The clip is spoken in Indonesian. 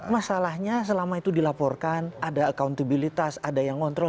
masalahnya selama itu dilaporkan ada accountabilitas ada yang ngontrol